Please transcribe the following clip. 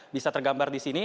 bisa tergambar di sini